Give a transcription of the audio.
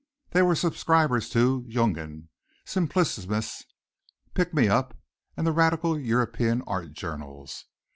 They were subscribers to Jugend, Simplicissimus, Pick Me Up and the radical European art journals.